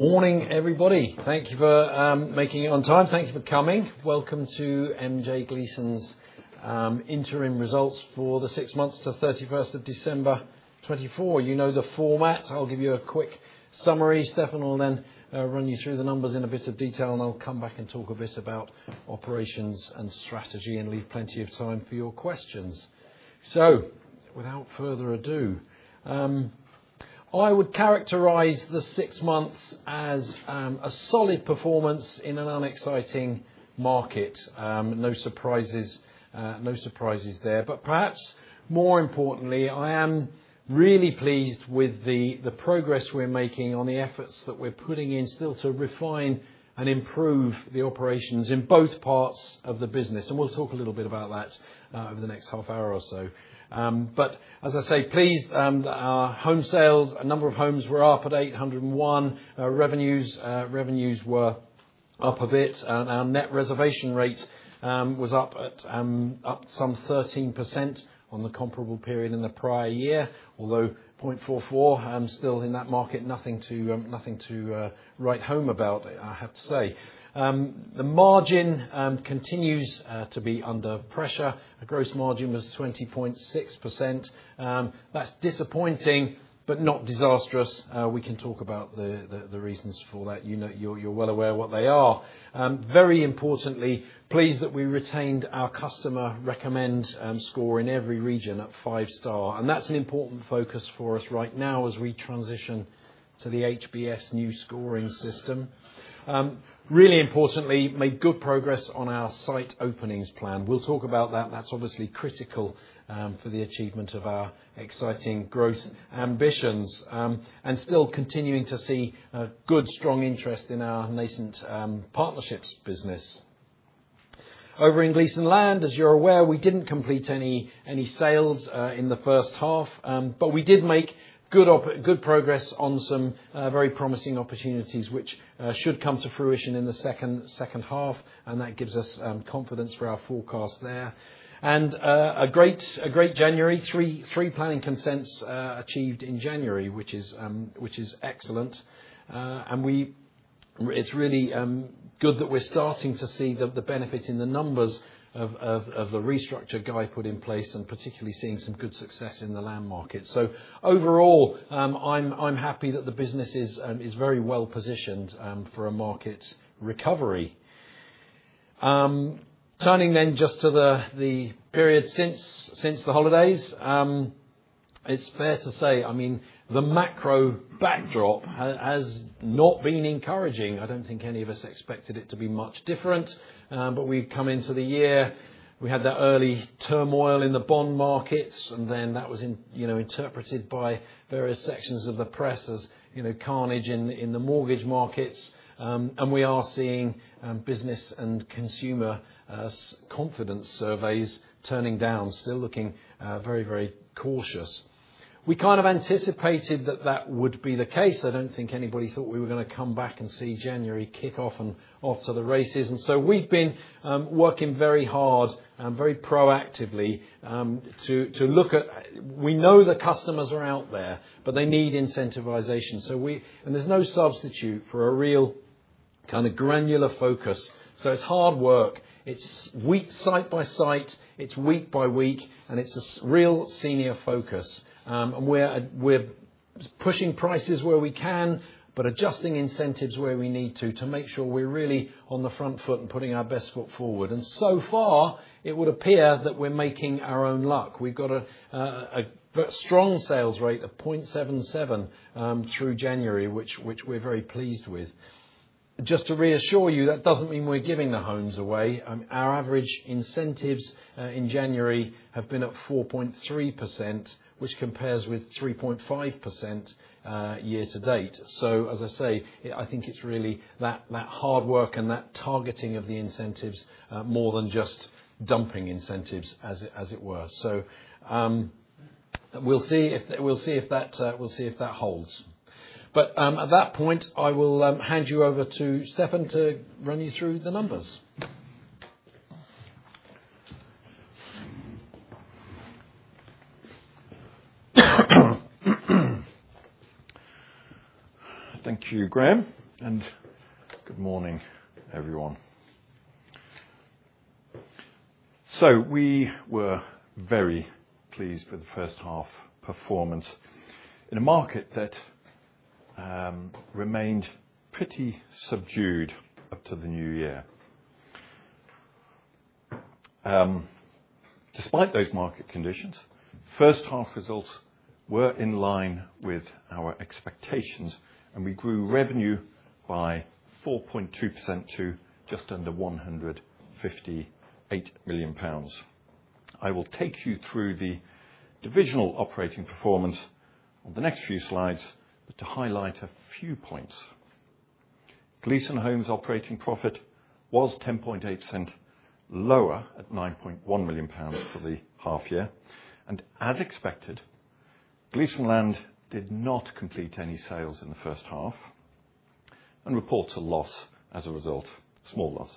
Morning, everybody. Thank you for making it on time. Thank you for coming. Welcome to MJ Gleeson's Interim Results for the six months to 31st of December 2024. You know the format. I'll give you a quick summary. Stefan will then run you through the numbers in a bit of detail, and I'll come back and talk a bit about operations and strategy and leave plenty of time for your questions. Without further ado, I would characterize the six months as a solid performance in an unexciting market. No surprises, no surprises there. Perhaps more importantly, I am really pleased with the progress we're making on the efforts that we're putting in still to refine and improve the operations in both parts of the business. We'll talk a little bit about that over the next half hour or so. As I say, pleased that our home sales, number of homes were up at 801. Our revenues were up a bit. Our net reservation rate was up some 13% on the comparable period in the prior year, although 0.44%, still in that market, nothing to write home about, I have to say. The margin continues to be under pressure. The gross margin was 20.6%. That's disappointing but not disastrous. We can talk about the reasons for that. You know, you're well aware of what they are. Very importantly, pleased that we retained our customer recommend score in every region at five-star. That's an important focus for us right now as we transition to the HBS new scoring system. Really importantly, made good progress on our site openings plan. We'll talk about that. That's obviously critical for the achievement of our exciting growth ambitions. Still continuing to see good, strong interest in our nascent partnerships business. Over in Gleeson Land, as you're aware, we didn't complete any sales in the first half. We did make good progress on some very promising opportunities, which should come to fruition in the second half. That gives us confidence for our forecast there. A great January, three planning consents achieved in January, which is excellent. It's really good that we're starting to see the benefit in the numbers of the restructure, Guy, put in place and particularly seeing some good success in the land market. Overall, I'm happy that the business is very well positioned for a market recovery. Turning then just to the period since the holidays, it's fair to say, I mean, the macro backdrop has not been encouraging. I don't think any of us expected it to be much different. We have come into the year. We had that early turmoil in the bond markets, and that was interpreted by various sections of the press as, you know, carnage in the mortgage markets. We are seeing business and consumer confidence surveys turning down, still looking very, very cautious. We kind of anticipated that that would be the case. I don't think anybody thought we were gonna come back and see January kick off and off to the races. We have been working very hard and very proactively to look at, we know the customers are out there, but they need incentivization. We, and there's no substitute for a real kind of granular focus. It's hard work. It's site by site. It's week by week. It's a real senior focus. We're pushing prices where we can but adjusting incentives where we need to, to make sure we're really on the front foot and putting our best foot forward. So far, it would appear that we're making our own luck. We've got a strong sales rate of 0.77% through January, which we're very pleased with. Just to reassure you, that doesn't mean we're giving the homes away. Our average incentives in January have been at 4.3%, which compares with 3.5% year to date. As I say, I think it's really that hard work and that targeting of the incentives, more than just dumping incentives, as it were. We'll see if that holds. At that point, I will hand you over to Stefan to run you through the numbers. Thank you, Graham. Good morning, everyone. We were very pleased with the first half performance in a market that remained pretty subdued up to the new year. Despite those market conditions, first half results were in line with our expectations, and we grew revenue by 4.2% to just under 158 million pounds. I will take you through the divisional operating performance on the next few slides to highlight a few points. Gleeson Homes' operating profit was 10.8% lower at 9.1 million pounds for the half year. As expected, Gleeson Land did not complete any sales in the first half and reports a loss as a result, small loss.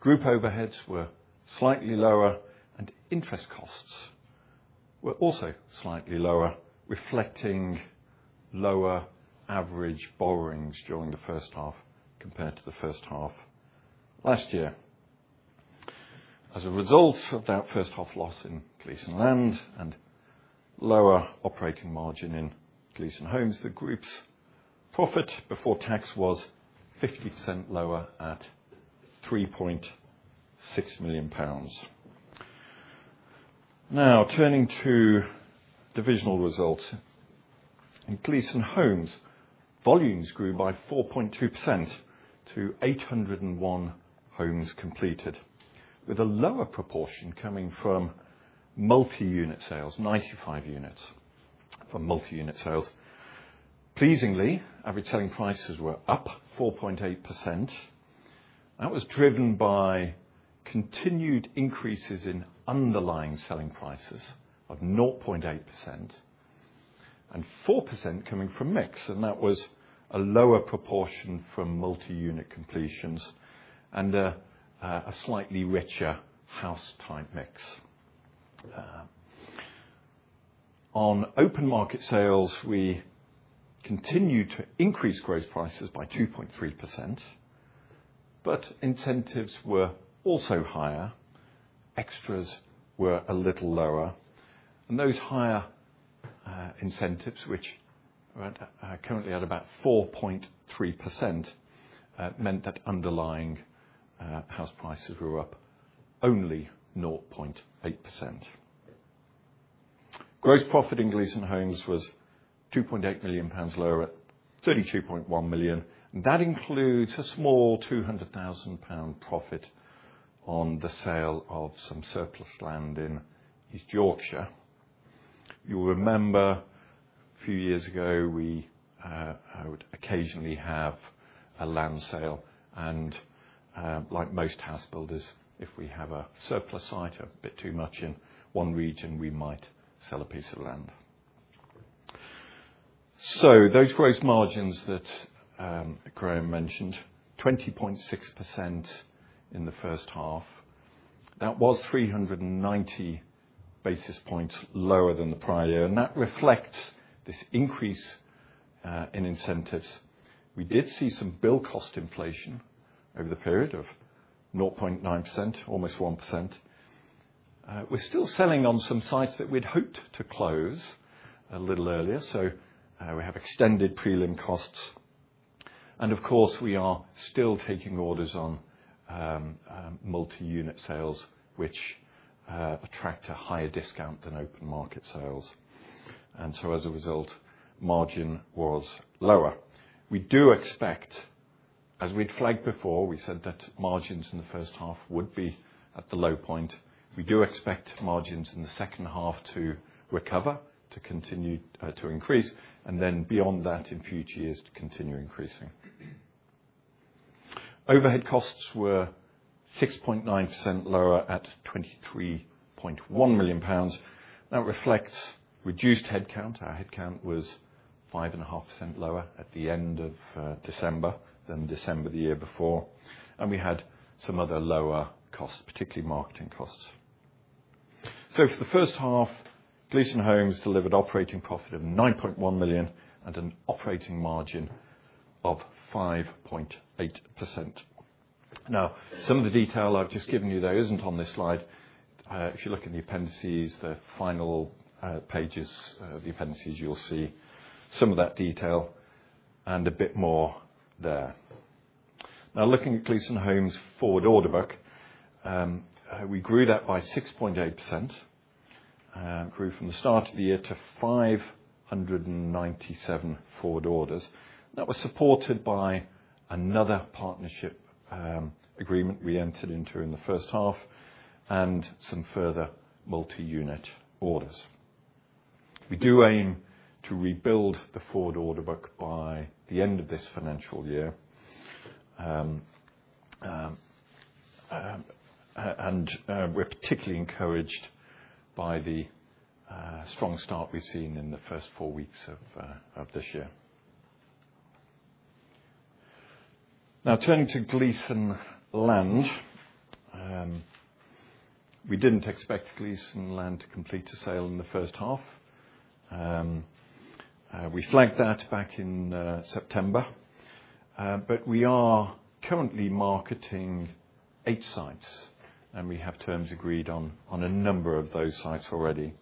Group overheads were slightly lower, and interest costs were also slightly lower, reflecting lower average borrowings during the first half compared to the first half last year. As a result of that first half loss in Gleeson Land and lower operating margin in Gleeson Homes, the group's profit before tax was 50% lower at 3.6 million pounds. Now, turning to divisional results, in Gleeson Homes, volumes grew by 4.2% to 801 homes completed, with a lower proportion coming from multi-unit sales, 95 units from multi-unit sales. Pleasingly, average selling prices were up 4.8%. That was driven by continued increases in underlying selling prices of 0.8% and 4% coming from mix. That was a lower proportion from multi-unit completions and, a slightly richer house-type mix. On open market sales, we continued to increase gross prices by 2.3%, but incentives were also higher. Extras were a little lower. Those higher incentives, which were at, currently at about 4.3%, meant that underlying house prices were up only 0.8%. Gross profit in Gleeson Homes was 2.8 million pounds lower at 32.1 million. That includes a small 200,000 pound profit on the sale of some surplus land in East Yorkshire. You'll remember, a few years ago, we, I would occasionally have a land sale. Like most house builders, if we have a surplus site a bit too much in one region, we might sell a piece of land. Those gross margins that Graham mentioned, 20.6% in the first half, that was 390 basis points lower than the prior year. That reflects this increase in incentives. We did see some build cost inflation over the period of 0.9%, almost 1%. We are still selling on some sites that we'd hoped to close a little earlier. We have extended prelim costs. Of course, we are still taking orders on multi-unit sales, which attract a higher discount than open market sales. As a result, margin was lower. We do expect, as we had flagged before, we said that margins in the first half would be at the low point. We do expect margins in the second half to recover, to continue, to increase, and then beyond that in future years to continue increasing. Overhead costs were 6.9% lower at 23.1 million pounds. That reflects reduced headcount. Our headcount was 5.5% lower at the end of December than December the year before. We had some other lower costs, particularly marketing costs. For the first half, Gleeson Homes delivered operating profit of 9.1 million and an operating margin of 5.8%. Some of the detail I have just given you, though, is not on this slide. If you look in the appendices, the final pages, the appendices, you will see some of that detail and a bit more there. Now, looking at Gleeson Homes' forward order book, we grew that by 6.8%, grew from the start of the year to 597 forward orders. That was supported by another partnership agreement we entered into in the first half and some further multi-unit orders. We do aim to rebuild the forward order book by the end of this financial year, and we're particularly encouraged by the strong start we've seen in the first four weeks of this year. Now, turning to Gleeson Land, we didn't expect Gleeson Land to complete a sale in the first half. We flagged that back in September, but we are currently marketing eight sites, and we have terms agreed on a number of those sites already.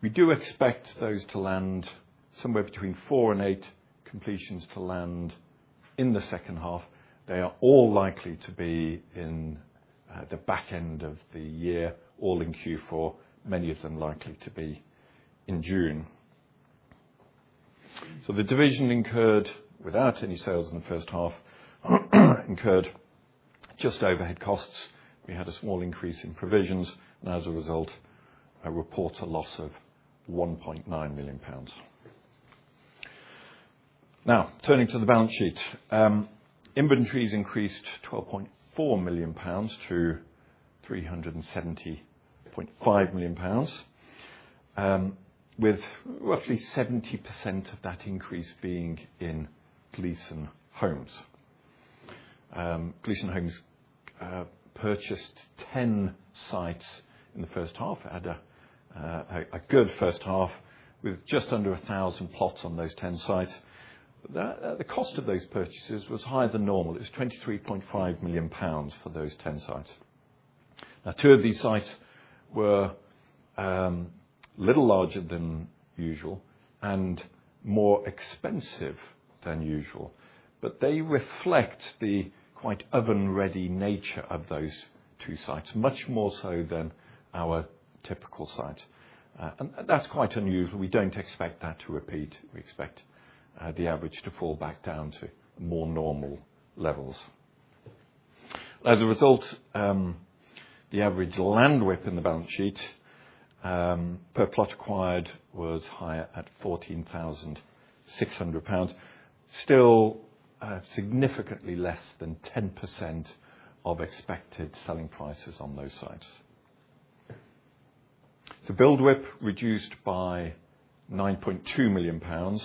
We do expect those to land somewhere between four and eight completions to land in the second half. They are all likely to be in the back end of the year, all in Q4, many of them likely to be in June. The division incurred, without any sales in the first half, just overhead costs. We had a small increase in provisions. As a result, I report a loss of 1.9 million pounds. Now, turning to the balance sheet, inventories increased 12.4 million pounds to 370.5 million pounds, with roughly 70% of that increase being in Gleeson Homes. Gleeson Homes purchased 10 sites in the first half, had a good first half with just under 1,000 plots on those 10 sites. The cost of those purchases was higher than normal. It was 23.5 million pounds for those 10 sites. Now, two of these sites were a little larger than usual and more expensive than usual, but they reflect the quite oven-ready nature of those two sites, much more so than our typical site. That's quite unusual. We do not expect that to repeat. We expect the average to fall back down to more normal levels. As a result, the average land WIP in the balance sheet, per plot acquired, was higher at 14,600 pounds, still significantly less than 10% of expected selling prices on those sites. Build WIP reduced by 9.2 million pounds.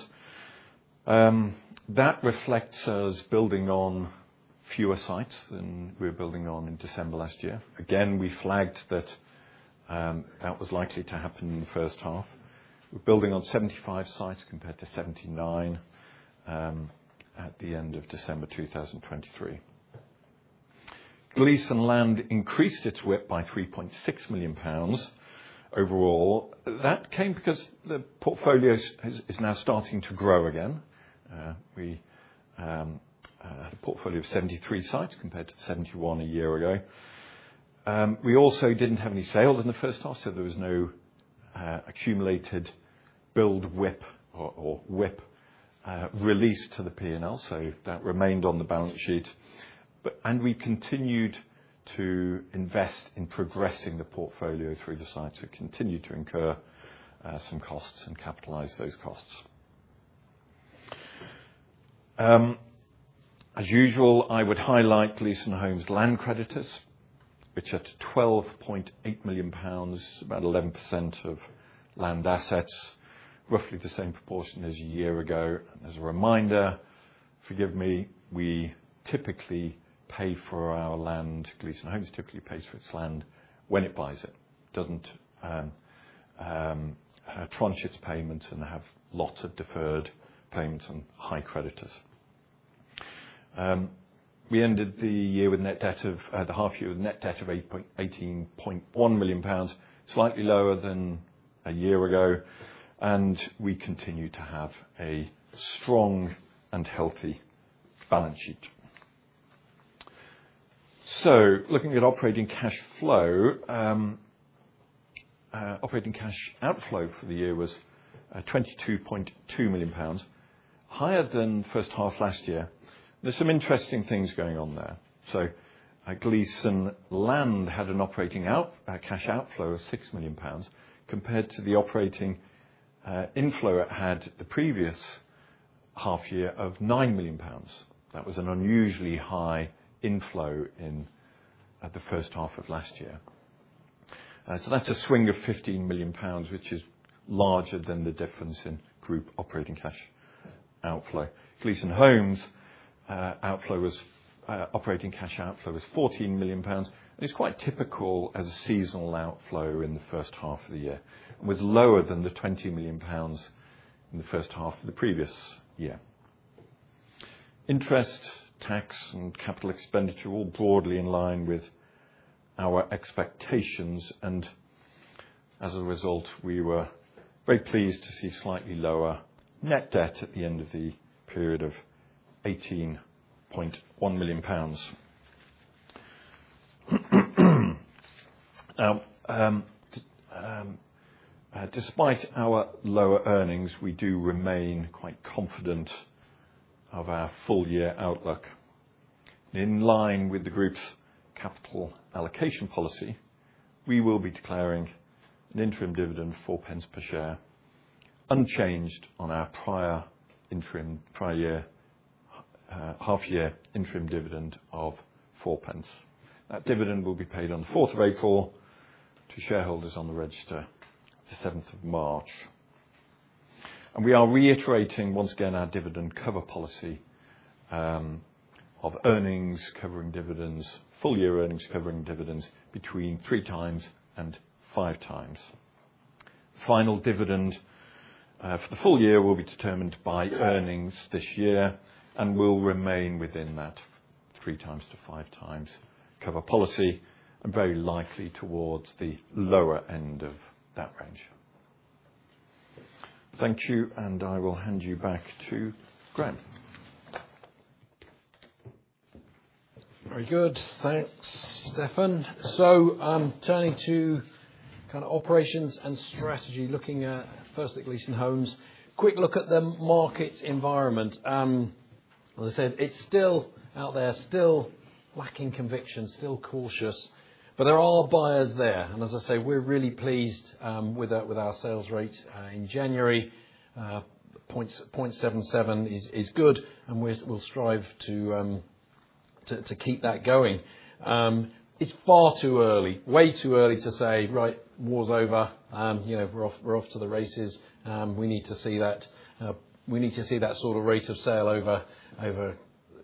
That reflects us building on fewer sites than we were building on in December last year. Again, we flagged that was likely to happen in the first half. We are building on 75 sites compared to 79 at the end of December 2023. Gleeson Land increased its WIP by 3.6 million pounds overall. That came because the portfolio is now starting to grow again. We had a portfolio of 73 sites compared to 71 a year ago. We also did not have any sales in the first half, so there was no accumulated build WIP or WIP release to the P&L. That remained on the balance sheet. We continued to invest in progressing the portfolio through the sites that continued to incur some costs and capitalize those costs. As usual, I would highlight Gleeson Homes' land creditors, which are 12.8 million pounds, about 11% of land assets, roughly the same proportion as a year ago. As a reminder, forgive me, we typically pay for our land. Gleeson Homes typically pays for its land when it buys it. It does not tranche its payments and have lots of deferred payments on high creditors. We ended the year with net debt of, the half year with net debt of 18.1 million pounds, slightly lower than a year ago. We continue to have a strong and healthy balance sheet. Looking at operating cash flow, operating cash outflow for the year was 22.2 million pounds, higher than first half last year. There are some interesting things going on there. Gleeson Land had an operating cash outflow of 6 million pounds compared to the operating inflow it had the previous half year of 9 million pounds. That was an unusually high inflow in the first half of last year. That is a swing of 15 million pounds, which is larger than the difference in group operating cash outflow. Gleeson Homes outflow was, operating cash outflow was 14 million pounds. It is quite typical as a seasonal outflow in the first half of the year and was lower than 20 million pounds in the first half of the previous year. Interest, tax, and capital expenditure were broadly in line with our expectations. As a result, we were very pleased to see slightly lower net debt at the end of the period of 18.1 million pounds. Now, despite our lower earnings, we do remain quite confident of our full-year outlook. In line with the group's capital allocation policy, we will be declaring an interim dividend of 4 per share, unchanged on our prior interim, prior year, half-year interim dividend of 4. That dividend will be paid on the 4th of April to shareholders on the register the 7th of March. We are reiterating once again our dividend cover policy, of earnings covering dividends, full-year earnings covering dividends between three times and five times. Final dividend for the full year will be determined by earnings this year and will remain within that three times to five times cover policy and very likely towards the lower end of that range. Thank you. I will hand you back to Graham. Very good. Thanks, Stefan. Turning to kind of operations and strategy, looking at first at Gleeson Homes, quick look at the market environment. As I said, it's still out there, still lacking conviction, still cautious, but there are buyers there. As I say, we're really pleased with our sales rate in January. 0.77% is good. We will strive to keep that going. It's far too early, way too early to say, "Right, war's over." You know, we're off, we're off to the races. We need to see that, we need to see that sort of rate of sale over, over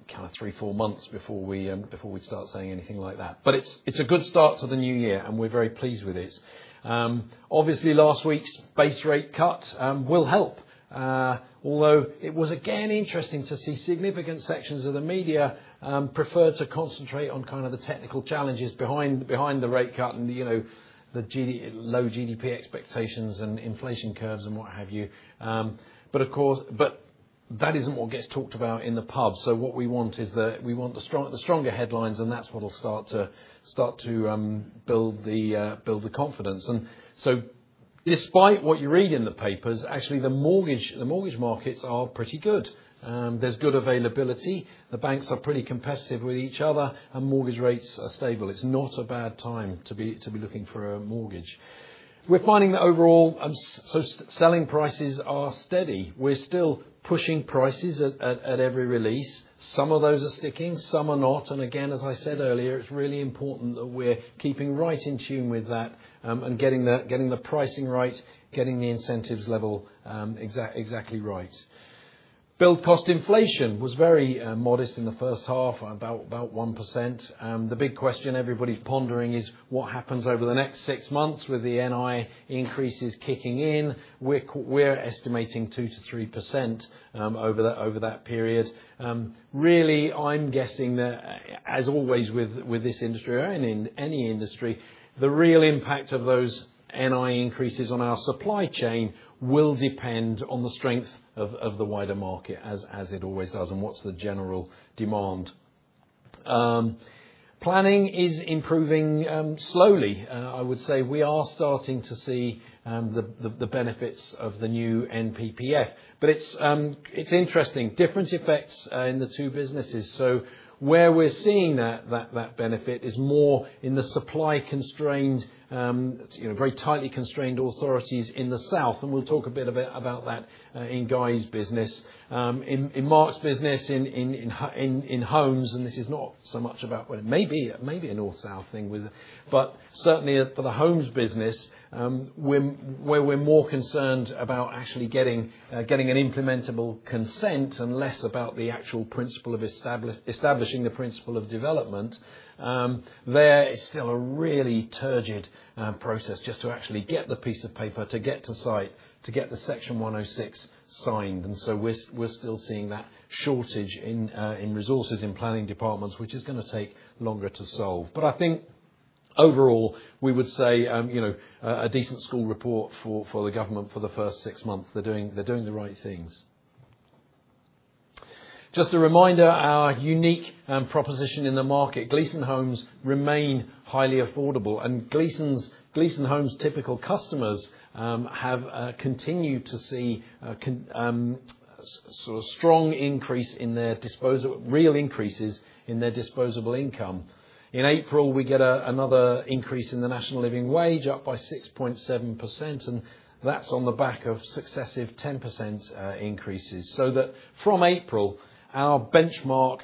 kind of three, four months before we, before we start saying anything like that. It is a good start to the new year, and we're very pleased with it. Obviously, last week's base rate cut will help. Although it was again interesting to see significant sections of the media prefer to concentrate on kind of the technical challenges behind, behind the rate cut and, you know, the low GDP expectations and inflation curves and what have you. Of course, that isn't what gets talked about in the pub. What we want is that we want the strong, the stronger headlines, and that is what will start to build the confidence. Despite what you read in the papers, actually, the mortgage markets are pretty good. There is good availability. The banks are pretty competitive with each other, and mortgage rates are stable. It is not a bad time to be looking for a mortgage. We are finding that overall, selling prices are steady. We are still pushing prices at every release. Some of those are sticking, some are not. As I said earlier, it is really important that we are keeping right in tune with that, and getting the pricing right, getting the incentives level exactly right. Build cost inflation was very modest in the first half, about 1%. The big question everybody's pondering is what happens over the next six months with the NI increases kicking in. We're estimating 2-3% over that period. Really, I'm guessing that, as always with this industry and in any industry, the real impact of those NI increases on our supply chain will depend on the strength of the wider market as it always does and what's the general demand. Planning is improving, slowly. I would say we are starting to see the benefits of the new NPPF. It is interesting. Different effects in the two businesses. Where we're seeing that benefit is more in the supply-constrained, you know, very tightly constrained authorities in the south. We will talk a bit about that in Guy's business, in Mark's business, in homes. This is not so much about, well, it may be a north-south thing, but certainly for the homes business, where we're more concerned about actually getting an implementable consent and less about the actual principle of establishing the principle of development, there is still a really turgid process just to actually get the piece of paper, to get to site, to get the Section 106 signed. We're still seeing that shortage in resources in planning departments, which is going to take longer to solve. I think overall, we would say, you know, a decent school report for the Government for the first six months. They're doing the right things. Just a reminder, our unique proposition in the market, Gleeson Homes remain highly affordable. Gleeson Homes' typical customers have continued to see sort of strong increase in their disposable income. In April, we get another increase in the National Living Wage, up by 6.7%. That is on the back of successive 10% increases. From April, our benchmark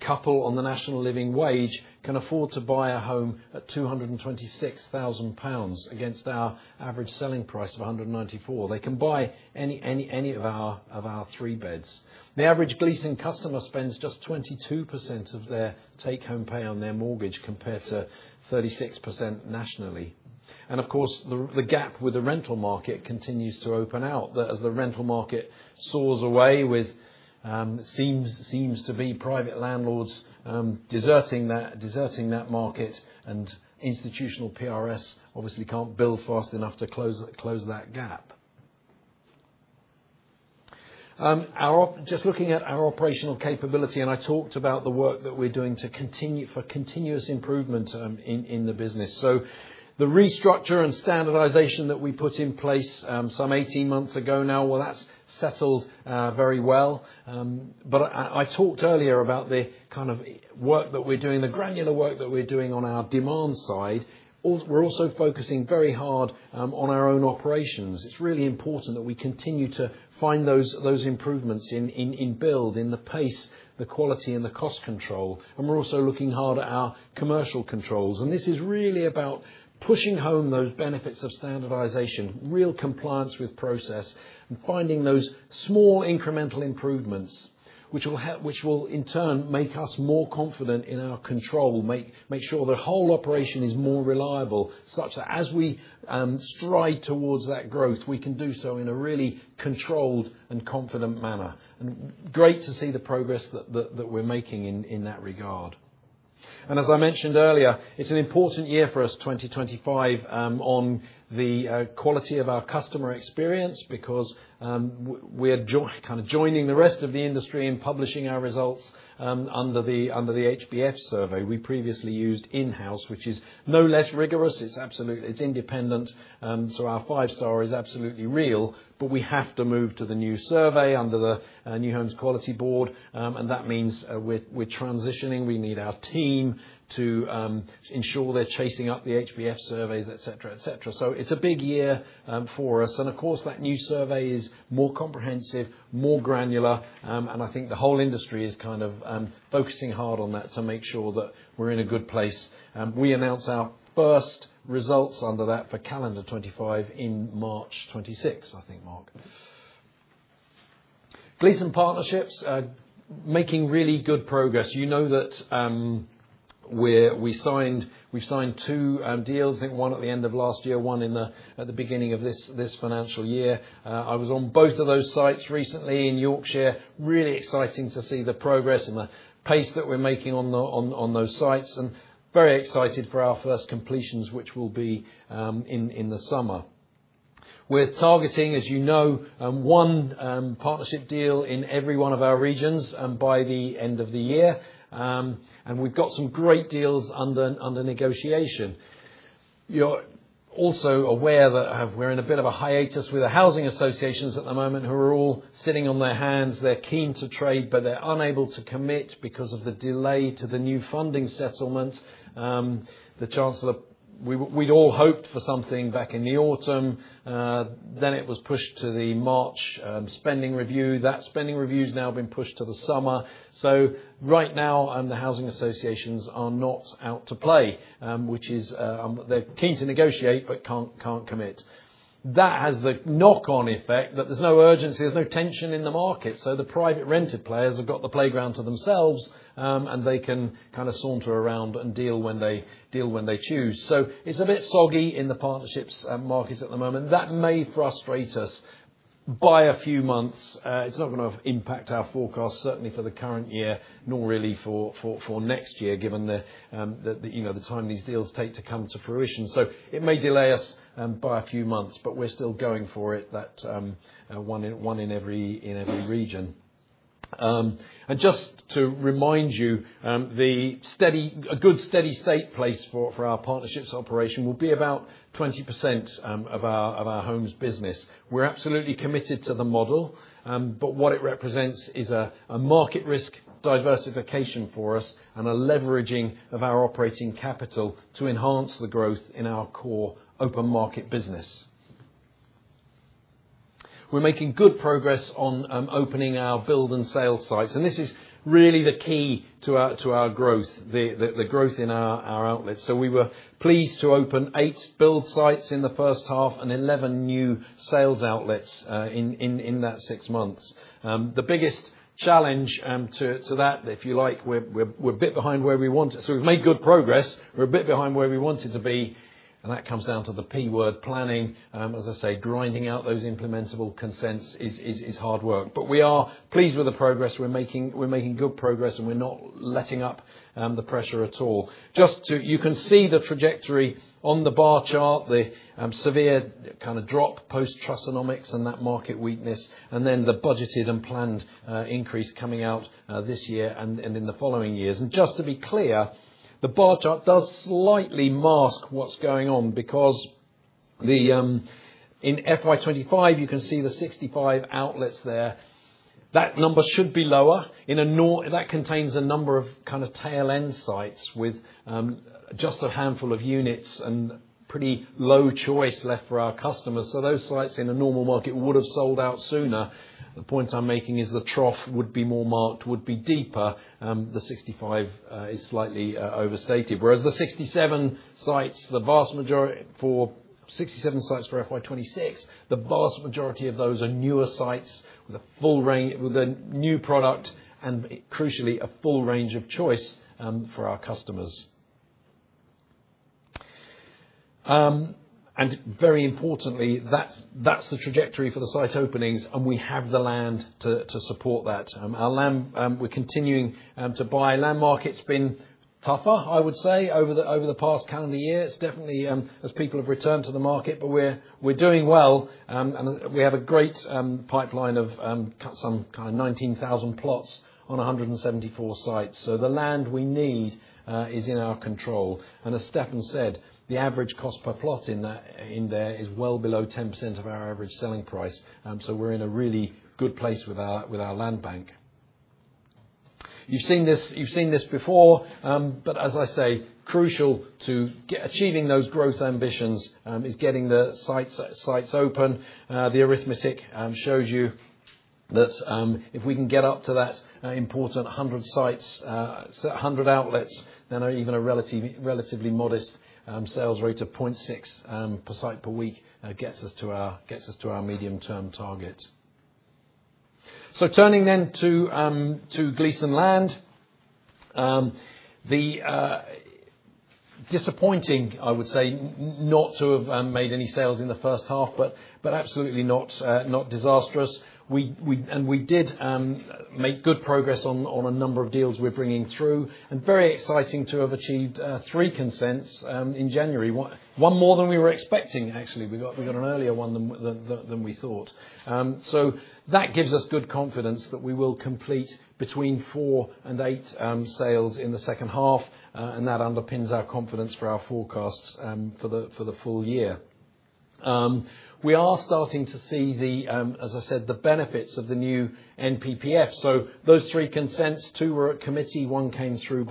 couple on the National Living Wage can afford to buy a home at 226,000 pounds against our average selling price of 194,000. They can buy any of our three beds. The average Gleeson customer spends just 22% of their take-home pay on their mortgage compared to 36% nationally. Of course, the gap with the rental market continues to open out, as the rental market soars away with what seems to be private landlords deserting that market. Institutional PRS obviously can't build fast enough to close that gap. Just looking at our operational capability, and I talked about the work that we're doing to continue for continuous improvement in the business. The restructure and standardization that we put in place some 18 months ago now, that's settled very well. I talked earlier about the kind of work that we're doing, the granular work that we're doing on our demand side. Also, we're focusing very hard on our own operations. It's really important that we continue to find those improvements in build, in the pace, the quality, and the cost control. We're also looking hard at our commercial controls. This is really about pushing home those benefits of standardization, real compliance with process, and finding those small incremental improvements, which will in turn make us more confident in our control, make sure the whole operation is more reliable, such that as we stride towards that growth, we can do so in a really controlled and confident manner. Great to see the progress that we're making in that regard. As I mentioned earlier, it's an important year for us, 2025, on the quality of our customer experience because we are kind of joining the rest of the industry and publishing our results under the HBF survey. We previously used in-house, which is no less rigorous. It's absolutely independent, so our five-star is absolutely real. We have to move to the new survey under the New Homes Quality Board. That means we're transitioning. We need our team to ensure they're chasing up the HBF surveys, etc., etc. It is a big year for us. Of course, that new survey is more comprehensive, more granular. I think the whole industry is kind of focusing hard on that to make sure that we're in a good place. We announce our first results under that for calendar 2025 in March 2026, I think, Mark. Gleeson Partnerships is making really good progress. You know that we've signed two deals. I think one at the end of last year, one at the beginning of this financial year. I was on both of those sites recently in Yorkshire. Really exciting to see the progress and the pace that we're making on those sites. Very excited for our first completions, which will be in the summer. We're targeting, as you know, one partnership deal in every one of our regions by the end of the year, and we've got some great deals under negotiation. You're also aware that we're in a bit of a hiatus with the housing associations at the moment, who are all sitting on their hands. They're keen to trade, but they're unable to commit because of the delay to the new funding settlement. The chancellor, we had all hoped for something back in the autumn. Then it was pushed to the March spending review. That spending review has now been pushed to the summer. Right now, the housing associations are not out to play, which is, they're keen to negotiate but can't commit. That has the knock-on effect that there's no urgency. There's no tension in the market. The private rented players have got the playground to themselves, and they can kind of saunter around and deal when they deal when they choose. It's a bit soggy in the partnerships markets at the moment. That may frustrate us by a few months. It's not going to impact our forecast, certainly for the current year, nor really for next year, given the, you know, the time these deals take to come to fruition. It may delay us by a few months, but we're still going for it, that one in, one in every, in every region. Just to remind you, a good steady state place for our partnerships operation will be about 20% of our homes business. We're absolutely committed to the model, but what it represents is a market risk diversification for us and a leveraging of our operating capital to enhance the growth in our core open market business. We're making good progress on opening our build and sale sites. This is really the key to our growth, the growth in our outlets. We were pleased to open eight build sites in the first half and 11 new sales outlets in that six months. The biggest challenge to that, if you like, we're a bit behind where we wanted. We have made good progress. We're a bit behind where we wanted to be. That comes down to the P word, planning. As I say, grinding out those implementable consents is hard work. We are pleased with the progress we're making. We're making good progress, and we're not letting up the pressure at all. You can see the trajectory on the bar chart, the severe kind of drop post-Trussonomics and that market weakness, and then the budgeted and planned increase coming out this year and in the following years. Just to be clear, the bar chart does slightly mask what's going on because in fiscal year 2025, you can see the 65 outlets there. That number should be lower in a norm that contains a number of kind of tail-end sites with just a handful of units and pretty low choice left for our customers. Those sites in a normal market would have sold out sooner. The point I'm making is the trough would be more marked, would be deeper. The 65 is slightly overstated. Whereas the 67 sites, the vast majority for 67 sites for fiscal year 2026, the vast majority of those are newer sites with a full range, with a new product and, crucially, a full range of choice for our customers. Very importantly, that's the trajectory for the site openings, and we have the land to support that. Our land, we're continuing to buy. Land market's been tougher, I would say, over the past calendar year. It's definitely, as people have returned to the market, but we're doing well. We have a great pipeline of some kind of 19,000 plots on 174 sites. The land we need is in our control. As Stefan said, the average cost per plot in that, in there is well below 10% of our average selling price. We're in a really good place with our land bank. You've seen this, you've seen this before. As I say, crucial to achieving those growth ambitions is getting the sites open. The arithmetic shows you that if we can get up to that important 100 sites, 100 outlets, then even a relatively modest sales rate of 0.6 per site per week gets us to our medium-term target. Turning then to Gleeson Land, the disappointing, I would say, not to have made any sales in the first half, but absolutely not disastrous. We did make good progress on a number of deals we're bringing through and very exciting to have achieved three consents in January. One more than we were expecting, actually. We got an earlier one than we thought. That gives us good confidence that we will complete between four and eight sales in the second half. That underpins our confidence for our forecasts for the full year. We are starting to see the, as I said, the benefits of the new NPPF. Those three consents, two were at committee, one came through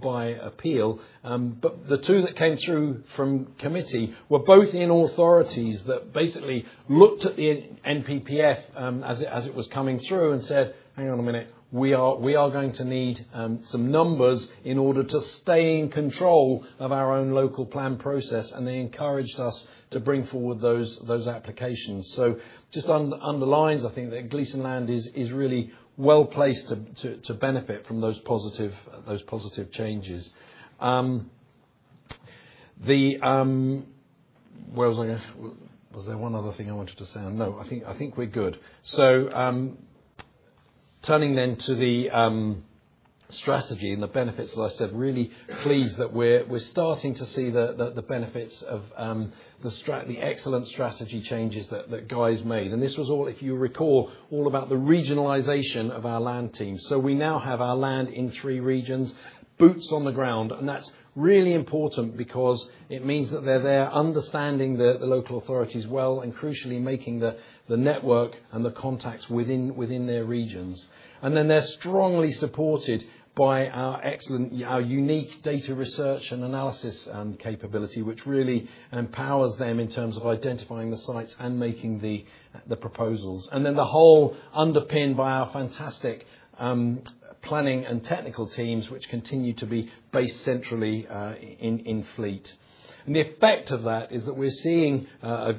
by appeal. The two that came through from committee were both in authorities that basically looked at the NPPF as it was coming through and said, "Hang on a minute. We are going to need some numbers in order to stay in control of our own local plan process. They encouraged us to bring forward those applications. Just underlines, I think, that Gleeson Land is really well placed to benefit from those positive changes. Where was I going? Was there one other thing I wanted to say? No, I think we're good. Turning then to the strategy and the benefits, as I said, really pleased that we're starting to see the benefits of the excellent strategy changes that guys made. This was all, if you recall, all about the regionalization of our land team. We now have our land in three regions, boots on the ground. That is really important because it means that they are there understanding the local authorities well and, crucially, making the network and the contacts within their regions. They are strongly supported by our excellent, our unique data research and analysis capability, which really empowers them in terms of identifying the sites and making the proposals. The whole is underpinned by our fantastic planning and technical teams, which continue to be based centrally in Fleet. The effect of that is that we are seeing a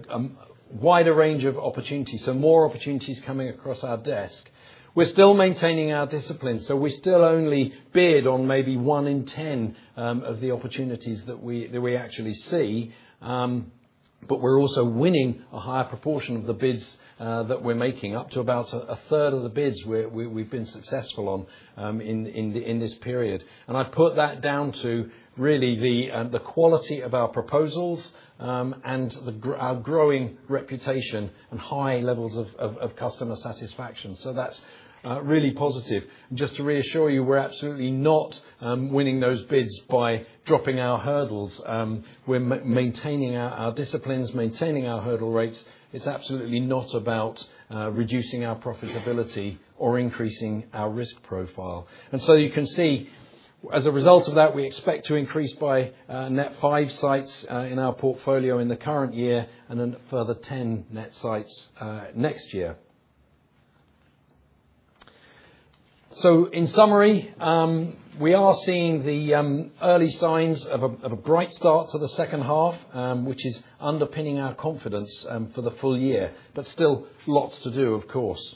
wider range of opportunities, so more opportunities coming across our desk. We are still maintaining our discipline. We still only bid on maybe one in 10 of the opportunities that we actually see. We're also winning a higher proportion of the bids that we're making, up to about a third of the bids we've been successful on in this period. I put that down to really the quality of our proposals and our growing reputation and high levels of customer satisfaction. That's really positive. Just to reassure you, we're absolutely not winning those bids by dropping our hurdles. We're maintaining our disciplines, maintaining our hurdle rates. It's absolutely not about reducing our profitability or increasing our risk profile. You can see, as a result of that, we expect to increase by net five sites in our portfolio in the current year and then a further 10 net sites next year. In summary, we are seeing the early signs of a bright start to the second half, which is underpinning our confidence for the full year, but still lots to do, of course.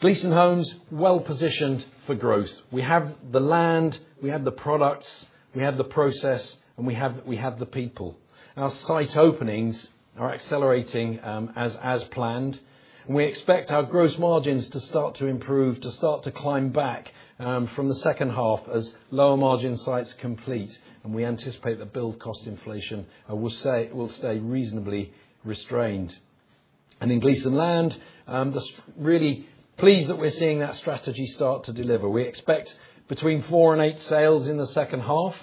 Gleeson Homes, well positioned for growth. We have the land, we have the products, we have the process, and we have the people. Our site openings are accelerating, as planned. We expect our gross margins to start to improve, to start to climb back from the second half as lower margin sites complete. We anticipate that build cost inflation will stay reasonably restrained. In Gleeson Land, really pleased that we are seeing that strategy start to deliver. We expect between four and eight sales in the second half.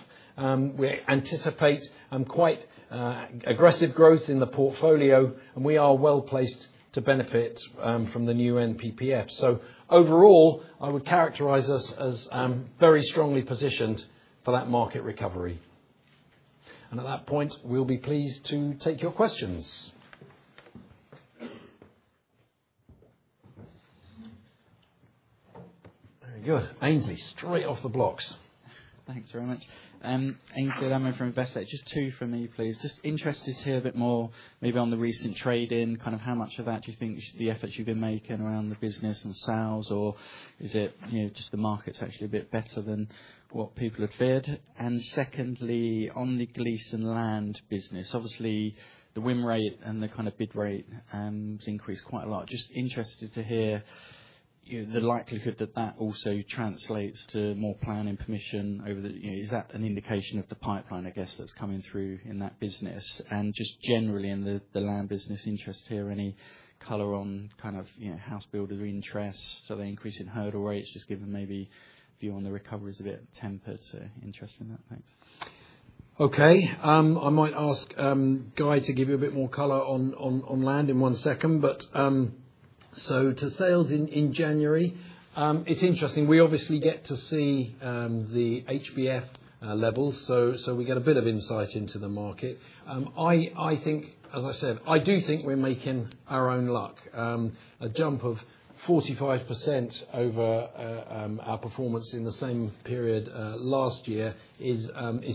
We anticipate quite aggressive growth in the portfolio, and we are well placed to benefit from the new NPPF. Overall, I would characterize us as very strongly positioned for that market recovery. At that point, we'll be pleased to take your questions. Very good. Aynsley, straight off the blocks. Thanks very much. Aynsley Lammin from Investec. Just two from me, please. Just interested to hear a bit more maybe on the recent trade-in, kind of how much of that do you think the efforts you've been making around the business and sales, or is it, you know, just the market's actually a bit better than what people had feared? Secondly, on the Gleeson Land business, obviously, the WIM rate and the kind of bid rate has increased quite a lot. Just interested to hear, you know, the likelihood that that also translates to more planning permission over the, you know, is that an indication of the pipeline, I guess, that's coming through in that business? Just generally in the land business, interested to hear any color on, you know, house builders' interest, are they increasing hurdle rates just given maybe view on the recovery is a bit tempered? Interested in that. Thanks. Okay. I might ask Guy to give you a bit more color on land in one second. To sales in January, it's interesting. We obviously get to see the HBF levels, so we get a bit of insight into the market. I think, as I said, I do think we're making our own luck. A jump of 45% over our performance in the same period last year is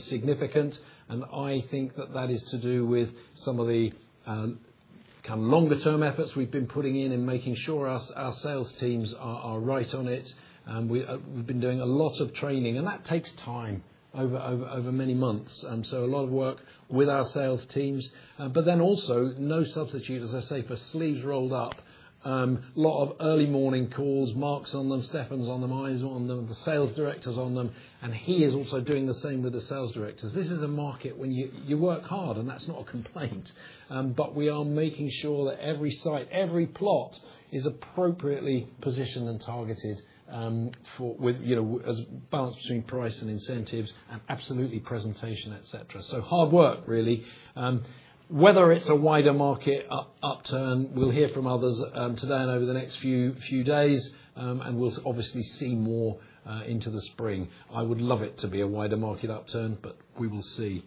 significant. I think that is to do with some of the longer-term efforts we've been putting in and making sure our sales teams are right on it. We've been doing a lot of training, and that takes time over many months. A lot of work with our sales teams, but then also no substitute, as I say, for sleeves rolled up, lot of early morning calls. Mark's on them, Stefan's on them, I'm on them, the Sales Director's on them, and he is also doing the same with the Sales Directors. This is a market where you work hard, and that's not a complaint. We are making sure that every site, every plot is appropriately positioned and targeted, with, you know, a balance between price and incentives and absolutely presentation, etc. Hard work, really. Whether it's a wider market upturn, we'll hear from others today and over the next few days, and we'll obviously see more into the spring. I would love it to be a wider market upturn, but we will see.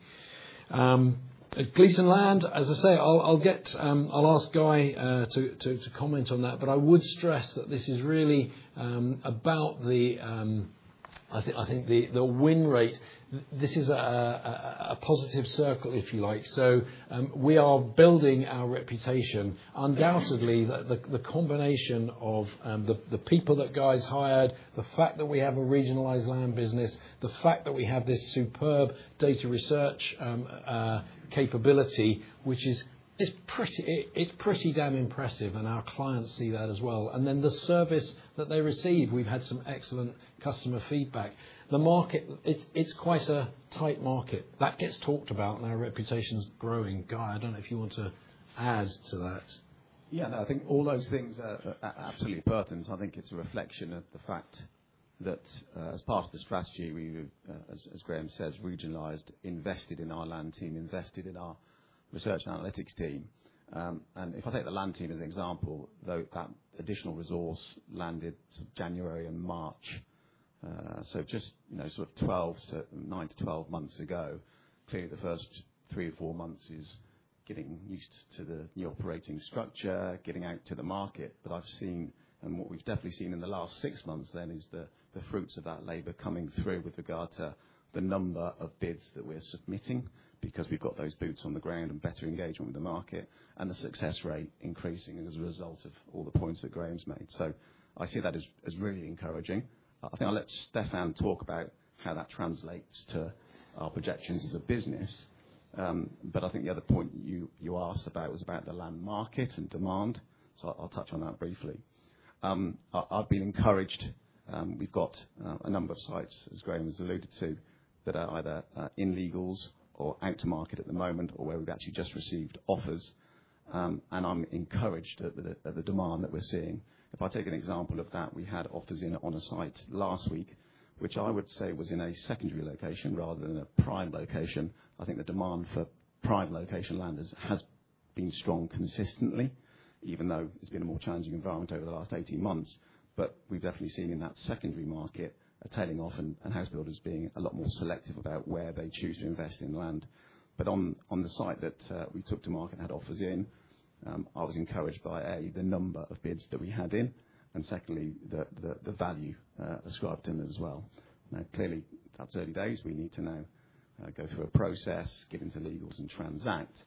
Gleeson Land, as I say, I'll get, I'll ask Guy to comment on that. I would stress that this is really about the, I think, I think the WIN rate, this is a positive circle, if you like. We are building our reputation. Undoubtedly, the combination of the people that Guy's hired, the fact that we have a regionalized land business, the fact that we have this superb data research capability, which is, it's pretty, it's pretty damn impressive. Our clients see that as well. The service that they receive, we've had some excellent customer feedback. The market, it's quite a tight market. That gets talked about, and our reputation's growing. Guy, I do not know if you want to add to that. Yeah, no, I think all those things are absolutely pertinent. I think it is a reflection of the fact that, as part of the strategy, we have, as Graham says, regionalized, invested in our land team, invested in our research and analytics team. If I take the land team as an example, though, that additional resource landed sort of January and March, so just, you know, sort of nine to 12 months ago. Clearly, the first three or four months is getting used to the new operating structure, getting out to the market. I've seen, and what we've definitely seen in the last six months is the fruits of that labor coming through with regard to the number of bids that we're submitting because we've got those boots on the ground and better engagement with the market and the success rate increasing as a result of all the points that Graham's made. I see that as really encouraging. I think I'll let Stefan talk about how that translates to our projections as a business. I think the other point you asked about was about the land market and demand. I'll touch on that briefly. I've been encouraged. We've got a number of sites, as Graham has alluded to, that are either in legals or out to market at the moment or where we've actually just received offers. I'm encouraged at the demand that we're seeing. If I take an example of that, we had offers in on a site last week, which I would say was in a secondary location rather than a prime location. I think the demand for prime location land has been strong consistently, even though it's been a more challenging environment over the last 18 months. We've definitely seen in that secondary market a tailing off and house builders being a lot more selective about where they choose to invest in land. On the site that we took to market and had offers in, I was encouraged by, a, the number of bids that we had in, and secondly, the value ascribed to them as well. Now, clearly, that's early days. We need to now go through a process, get into legals, and transact.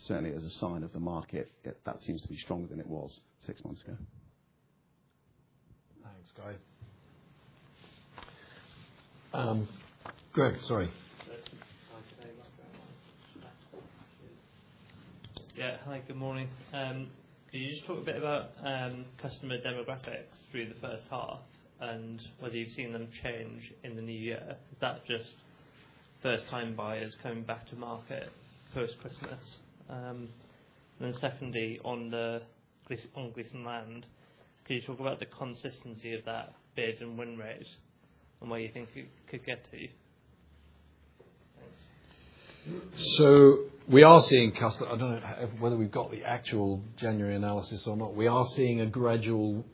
Certainly, as a sign of the market, that seems to be stronger than it was six months ago. Thanks, Guy. Greg, sorry. Yeah. Hi, good morning. Did you just talk a bit about customer demographics through the first half and whether you've seen them change in the new year? Is that just first-time buyers coming back to market post-Christmas? And then secondly, on the Gleeson Land, could you talk about the consistency of that bid and win rate and where you think it could get to? Thanks. We are seeing custom, I don't know whether we've got the actual January analysis or not. We are seeing a gradual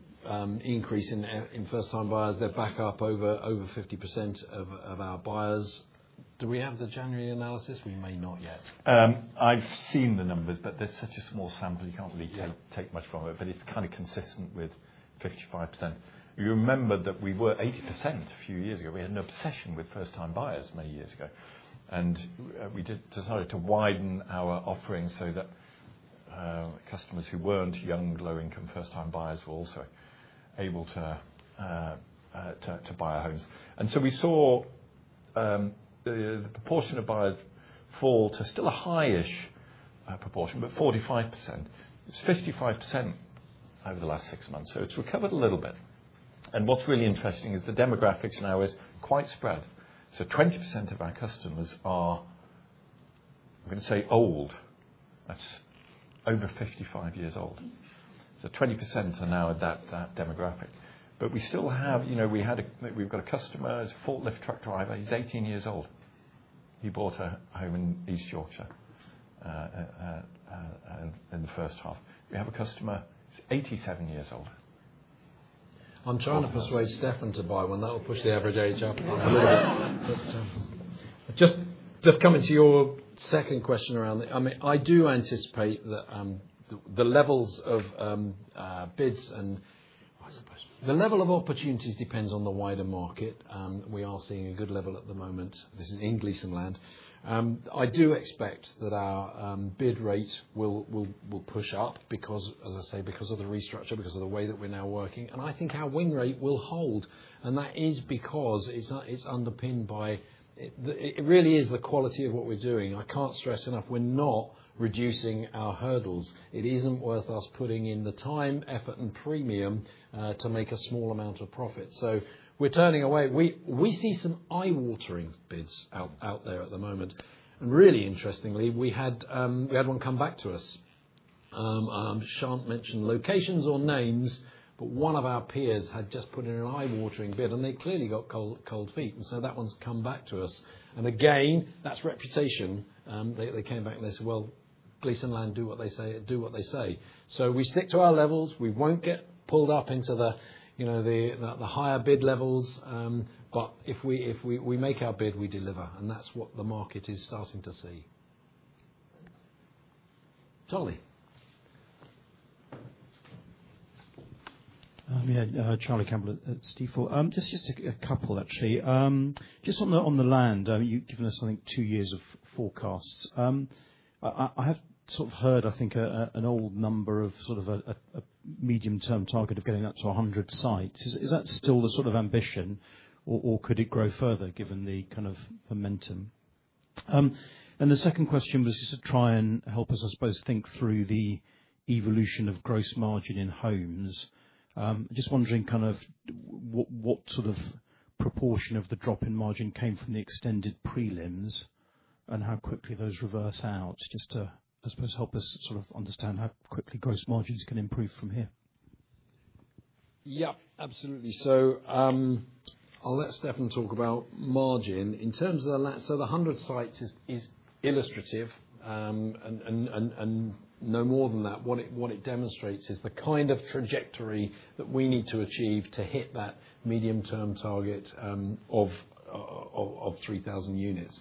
increase in first-time buyers. They're back up over 50% of our buyers. Do we have the January analysis? We may not yet. I've seen the numbers, but they're such a small sample. You can't really take much from it. It's kind of consistent with 55%. You remember that we were 80% a few years ago. We had an obsession with first-time buyers many years ago. We did decide to widen our offering so that customers who weren't young, low-income first-time buyers were also able to buy our homes. We saw the proportion of buyers fall to still a high-ish proportion, but 45%. It's 55% over the last six months. It's recovered a little bit. What's really interesting is the demographics now is quite spread. Twenty percent of our customers are, I'm going to say, old. That's over 55 years old. Twenty percent are now at that demographic. We still have, you know, we had a, we've got a customer, a forklift truck driver. He's 18 years old. He bought a home in East Yorkshire, in the first half. We have a customer, he's 87 years old. I'm trying to persuade Stefan to buy one. That will push the average age up a little bit. Just coming to your second question around the, I mean, I do anticipate that the levels of bids and, I suppose, the level of opportunities depends on the wider market. We are seeing a good level at the moment. This is in Gleeson Land. I do expect that our bid rate will push up because, as I say, because of the restructure, because of the way that we're now working. I think our win rate will hold. That is because it is underpinned by the, it really is the quality of what we're doing. I can't stress enough, we're not reducing our hurdles. It isn't worth us putting in the time, effort, and premium to make a small amount of profit. We are turning away. We see some eye-watering bids out there at the moment. Really interestingly, we had one come back to us. Shant mention locations or names, but one of our peers had just put in an eye-watering bid, and they clearly got cold feet. That one has come back to us. Again, that's reputation. They came back and they said, "Well, Gleeson Land do what they say, do what they say." We stick to our levels. We will not get pulled up into the higher bid levels. If we make our bid, we deliver. That is what the market is starting to see. Thanks. Charlie. Yeah, Charlie Campbell at Stifel. Just a couple, actually. Just on the land, you've given us, I think, two years of forecasts. I have sort of heard, I think, an old number of sort of a medium-term target of getting up to 100 sites. Is that still the sort of ambition, or could it grow further given the kind of momentum? The second question was just to try and help us, I suppose, think through the evolution of gross margin in homes. Just wondering what sort of proportion of the drop in margin came from the extended prelims and how quickly those reverse out, just to, I suppose, help us understand how quickly gross margins can improve from here. Yep, absolutely. I'll let Stefan talk about margin. In terms of the land, the 100 sites is illustrative and no more than that. What it demonstrates is the kind of trajectory that we need to achieve to hit that medium-term target of 3,000 units.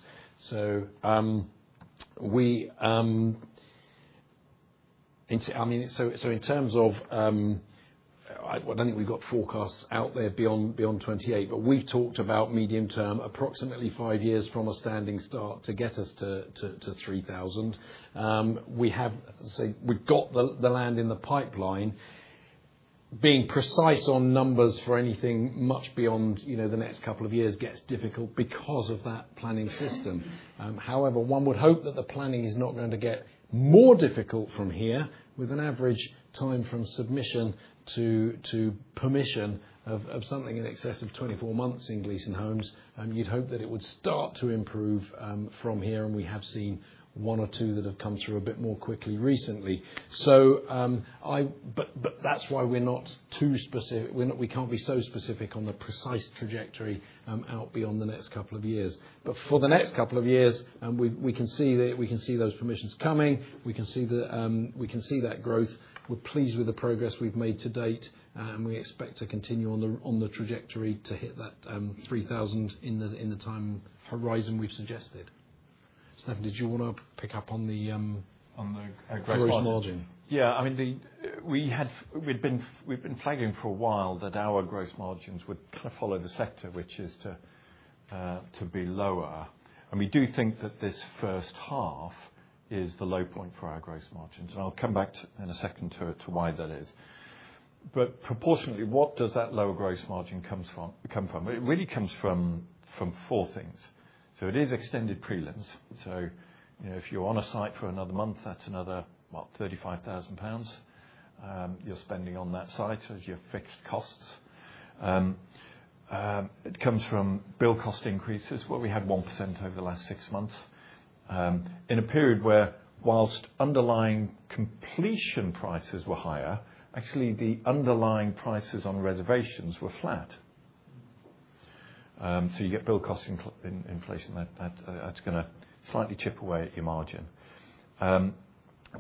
I mean, in terms of, I don't think we've got forecasts out there beyond 2028, but we've talked about medium-term, approximately five years from a standing start to get us to 3,000. We have, say, we've got the land in the pipeline. Being precise on numbers for anything much beyond the next couple of years gets difficult because of that planning system. However, one would hope that the planning is not going to get more difficult from here. With an average time from submission to permission of something in excess of 24 months in Gleeson Homes, you'd hope that it would start to improve from here. We have seen one or two that have come through a bit more quickly recently. That's why we're not too specific. We can't be so specific on the precise trajectory out beyond the next couple of years. For the next couple of years, we can see that we can see those permissions coming. We can see that growth. We're pleased with the progress we've made to date, and we expect to continue on the trajectory to hit that 3,000 in the time horizon we've suggested. Stefan, did you want to pick up on the gross margin? Yeah. I mean, we had, we'd been flagging for a while that our gross margins would kind of follow the sector, which is to be lower. We do think that this first half is the low point for our gross margins. I'll come back in a second to why that is. Proportionately, what does that lower gross margin come from? It really comes from four things. It is extended prelims. You know, if you're on a site for another month, that's another 35,000 pounds you're spending on that site as your fixed costs. It comes from build cost increases, where we had 1% over the last six months, in a period where, whilst underlying completion prices were higher, actually the underlying prices on reservations were flat. You get build cost inflation. That, that's going to slightly chip away at your margin.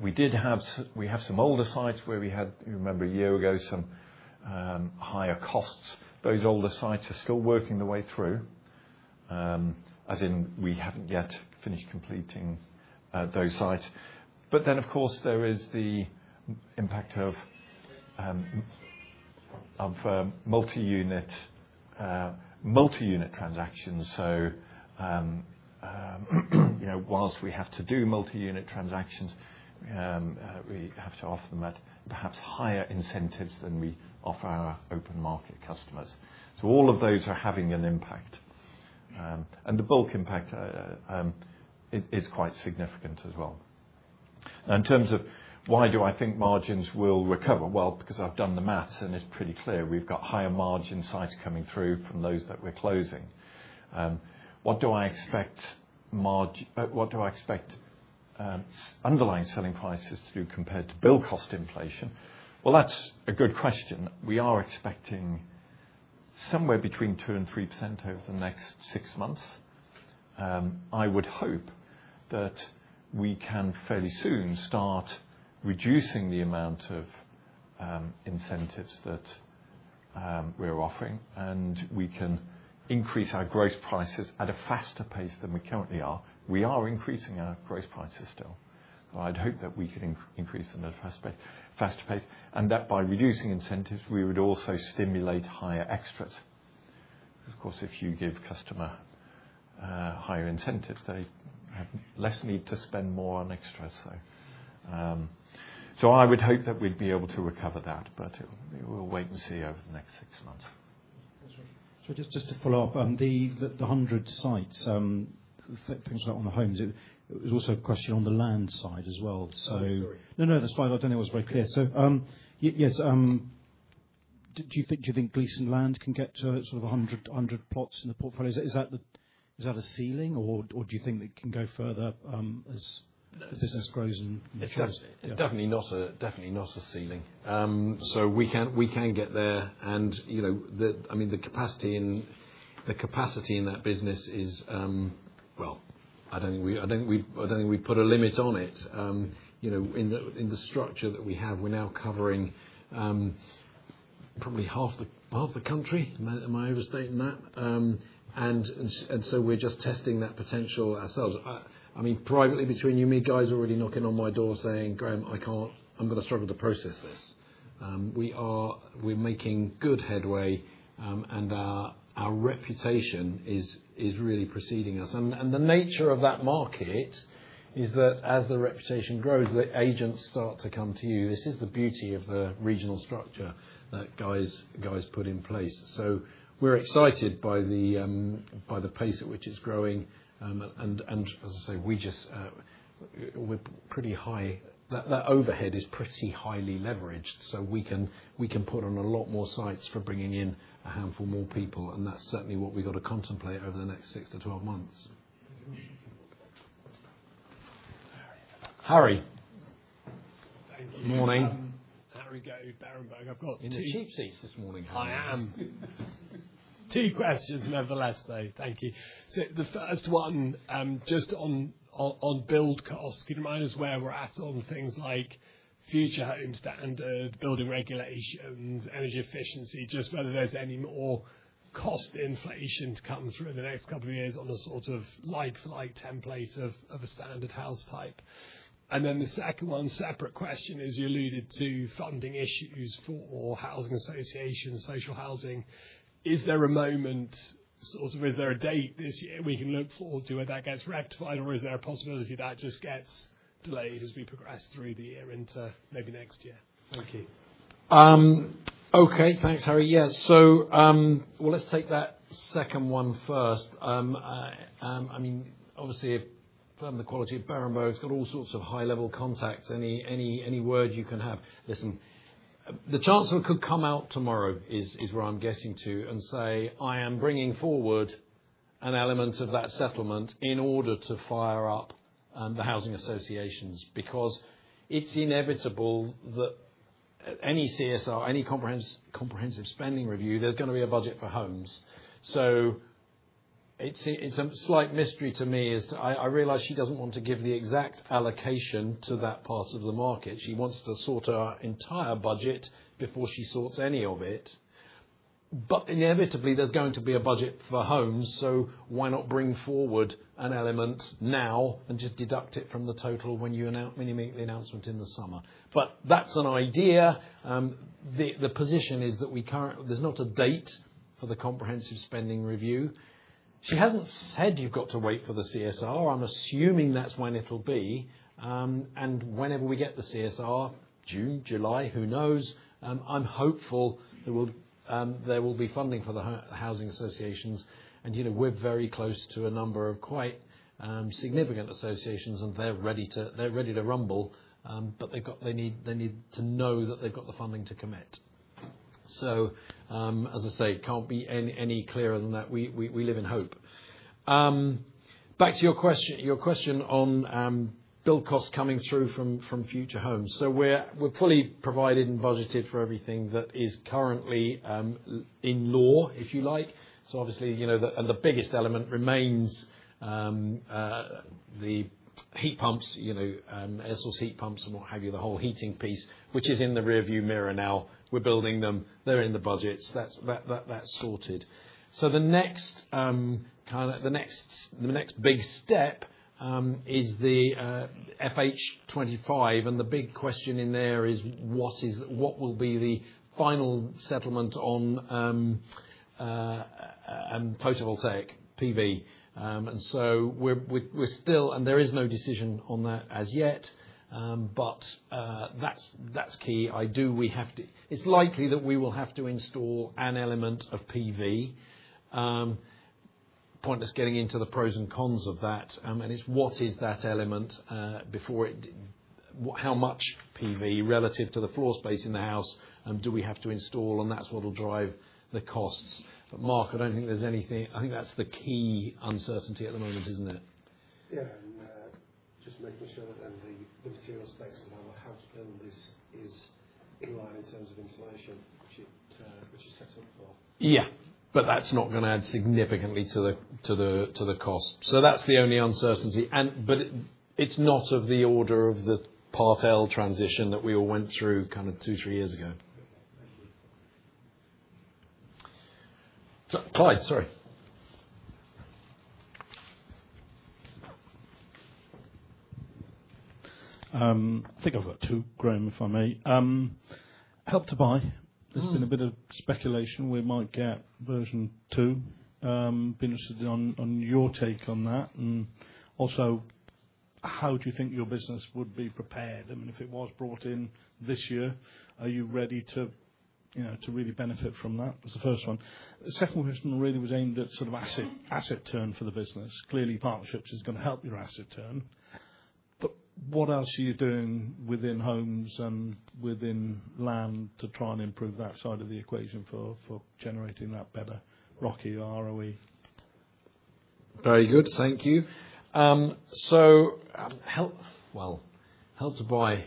We did have, we have some older sites where we had, you remember a year ago, some higher costs. Those older sites are still working the way through, as in we haven't yet finished completing those sites. Of course, there is the impact of multi-unit, multi-unit transactions. You know, whilst we have to do multi-unit transactions, we have to offer them at perhaps higher incentives than we offer our open market customers. All of those are having an impact. The bulk impact is quite significant as well. Now, in terms of why do I think margins will recover? Because I've done the maths, and it's pretty clear. We've got higher margin sites coming through from those that we're closing. What do I expect, what do I expect underlying selling prices to do compared to build cost inflation? That's a good question. We are expecting somewhere between 2-3% over the next six months. I would hope that we can fairly soon start reducing the amount of incentives that we're offering, and we can increase our gross prices at a faster pace than we currently are. We are increasing our gross prices still. I would hope that we can increase them at a faster pace, faster pace. By reducing incentives, we would also stimulate higher extras. Of course, if you give customers higher incentives, they have less need to spend more on extras. I would hope that we'd be able to recover that, but we'll wait and see over the next six months. Thanks, Roger. Just to follow up, the 100 sites, things like on the homes, it was also a question on the land side as well. No, that's fine. I don't think it was very clear. Yes, do you think, do you think Gleeson Land can get to sort of 100, 100 plots in the portfolio? Is that, is that a ceiling, or do you think it can go further, as the business grows? It's definitely, it's definitely not a, definitely not a ceiling. We can get there. And, you know, the, I mean, the capacity in, the capacity in that business is, well, I don't think we, I don't think we've, I don't think we've put a limit on it. You know, in the structure that we have, we're now covering probably half the country. Am I overstating that? We are just testing that potential ourselves. I mean, privately between you and me, Guy's already knocking on my door saying, "Graham, I can't, I'm going to struggle to process this." We are making good headway, and our reputation is really preceding us. The nature of that market is that as the reputation grows, the agents start to come to you. This is the beauty of the regional structure that Guy's put in place. We are excited by the pace at which it's growing. As I say, we're pretty high, that overhead is pretty highly leveraged. We can put on a lot more sites for bringing in a handful more people. That is certainly what we have got to contemplate over the next six to 12 months. Harry. Thank you. Morning. Harry Goad, Berenberg. I have got two cheap seats this morning, Harry. I am. Two questions, nevertheless, though. Thank you. The first one, just on build costs, could you remind us where we are at on things like future home standard, building regulations, energy efficiency, just whether there is any more cost inflation to come through in the next couple of years on a sort of like-for-like template of a standard house type? The second one, separate question, is you alluded to funding issues for Housing Associations, social housing. Is there a moment, sort of, is there a date this year we can look forward to where that gets rectified, or is there a possibility that just gets delayed as we progress through the year into maybe next year? Thank you. Okay. Thanks, Harry. Yeah. Let's take that second one first. I mean, obviously, if the quality of Berenberg's got all sorts of high-level contacts, any, any word you can have, listen. The Chancellor could come out tomorrow, is where I'm guessing to, and say, "I am bringing forward an element of that settlement in order to fire up the Housing Associations," because it's inevitable that any CSR, any Comprehensive Spending Review, there's going to be a budget for homes. It's a slight mystery to me as to, I realize she doesn't want to give the exact allocation to that part of the market. She wants to sort her entire budget before she sorts any of it. Inevitably, there's going to be a budget for homes. Why not bring forward an element now and just deduct it from the total when you announce, when you make the announcement in the summer? That's an idea. The position is that we currently, there's not a date for the Comprehensive Spending Review. She hasn't said you've got to wait for the CSR. I'm assuming that's when it'll be. Whenever we get the CSR, June, July, who knows? I'm hopeful there will be funding for the Housing Associations. You know, we're very close to a number of quite significant associations, and they're ready to rumble. They need to know that they've got the funding to commit. As I say, it can't be any clearer than that. We live in hope. Back to your question, your question on build costs coming through from Future Homes. We're fully provided and budgeted for everything that is currently in law, if you like. Obviously, the biggest element remains the heat pumps, you know, air source heat pumps and what have you, the whole heating piece, which is in the rearview mirror now. We're building them. They're in the budgets. That's sorted. The next` big step is the FH25. The big question in there is what is, what will be the final settlement on photovoltaic PV? We are still, and there is no decision on that as yet. That is key. I do, we have to, it is likely that we will have to install an element of PV. Pointless getting into the pros and cons of that. It is what is that element, before it, how much PV relative to the floor space in the house do we have to install? That is what will drive the costs. Mark, I do not think there is anything, I think that is the key uncertainty at the moment, is it not? Yeah. Just making sure that the material specs and how to build this is in line in terms of insulation, which you set up for. Yeah. That is not going to add significantly to the cost. That is the only uncertainty, and it is not of the order of the Part L transition that we all went through two, three years ago. Thank you. Clyde, sorry. I think I have two, Graham, if I may. Help to Buy. There has been a bit of speculation we might get version two. I have been interested in your take on that. Also, how do you think your business would be prepared? I mean, if it was brought in this year, are you ready to really benefit from that? That was the first one. The second question really was aimed at asset turn for the business. Clearly, Partnerships is going to help your asset turn. What else are you doing within homes and within land to try and improve that side of the equation for generating that better ROE? Very good. Thank you. Help to Buy,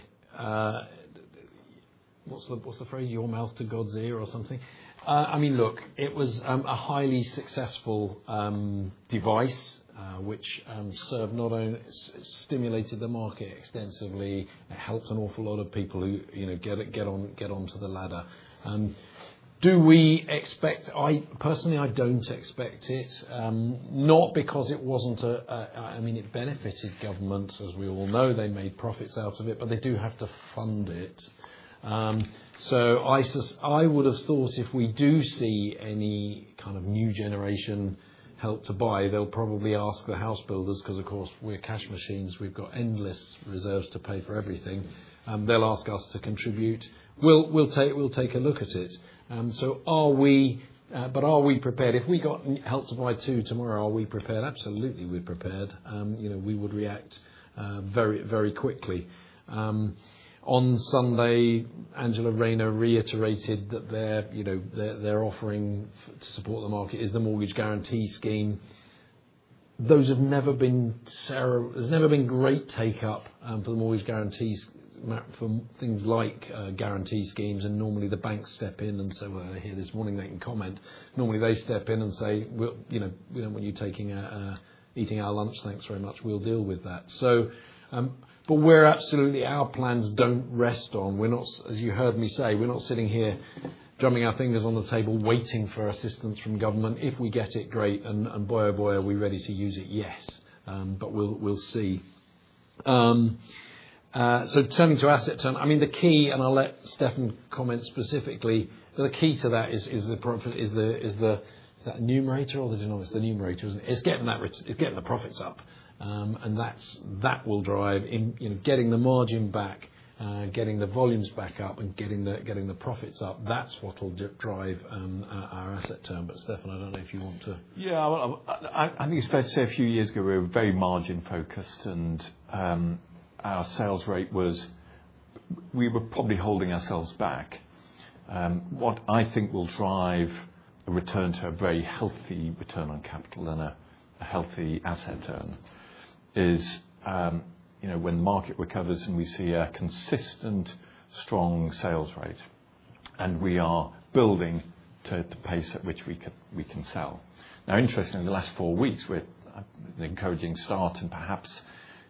what's the phrase, your mouth to God's ear or something? I mean, look, it was a highly successful device, which served not only stimulated the market extensively. It helped an awful lot of people who, you know, get it, get on, get onto the ladder. Do we expect? I personally, I don't expect it. Not because it wasn't a, I mean, it benefited Governments, as we all know. They made profits out of it, but they do have to fund it. I would have thought if we do see any kind of new generation Help to Buy, they'll probably ask the house builders because, of course, we're cash machines. We've got endless reserves to pay for everything. They'll ask us to contribute. We'll take a look at it. Are we, but are we prepared? If we got Help to Buy two tomorrow, are we prepared? Absolutely, we're prepared. You know, we would react very, very quickly. On Sunday, Angela Rayner reiterated that their offering to support the market is the Mortgage Guarantee Scheme. Those have never been serious, there's never been great take-up for the mortgage guarantees, for things like guarantee schemes. Normally the banks step in, and when I hear this morning they can comment, normally they step in and say, "We'll, you know, we don't want you taking a, a, eating our lunch. Thanks very much. We'll deal with that." We are absolutely, our plans don't rest on, we're not, as you heard me say, we're not sitting here drumming our fingers on the table waiting for assistance from Government. If we get it, great. And boy, oh boy, are we ready to use it? Yes. We'll see. Turning to asset turn, I mean, the key, and I'll let Stefan comment specifically, the key to that is, is the profit, is the, is the, is that numerator or the denominator? It's the numerator, isn't it? It's getting that, it's getting the profits up. That's, that will drive in, you know, getting the margin back, getting the volumes back up, and getting the, getting the profits up. That's what'll drive our asset turn. Stefan, I don't know if you want to. Yeah. I think it's fair to say a few years ago we were very margin-focused, and our sales rate was, we were probably holding ourselves back. What I think will drive a return to a very healthy return on capital and a healthy asset turn is, you know, when the market recovers and we see a consistent strong sales rate, and we are building to the pace at which we can, we can sell. Now, interestingly, the last four weeks with an encouraging start, and perhaps,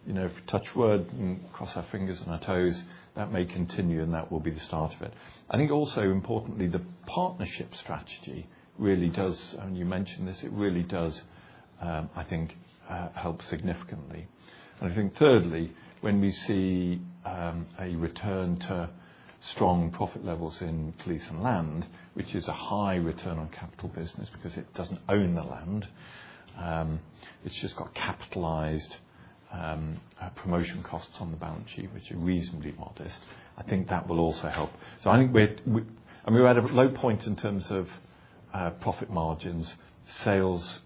you know, if we touch wood and cross our fingers and our toes, that may continue, and that will be the start of it. I think also importantly, the partnership strategy really does, and you mentioned this, it really does, I think, help significantly. I think thirdly, when we see a return to strong profit levels in Gleeson Land, which is a high return on capital business because it doesn't own the land, it's just got capitalized, promotion costs on the balance sheet, which are reasonably modest, I think that will also help. I think we're, we're, and we're at a low point in terms of profit margins, sales,